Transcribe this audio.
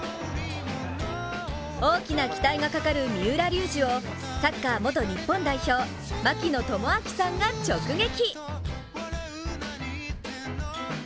大きな期待がかかる三浦龍司をサッカー元日本代表・槙野智章さんが直撃。